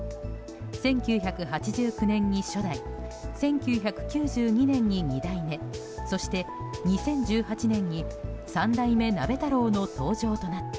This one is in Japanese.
１９８９年に初代１９９２年に２代目そして、２０１８年に３代目鍋太郎の登場となった。